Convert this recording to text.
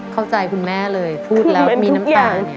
เข้าใจคุณแม่เลยพูดแล้วมีน้ำตา